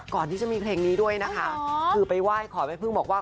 ก่อนที่จะมีเพลงนี้ด้วยนะคะคือไปไหว้ขอแม่พึ่งบอกว่า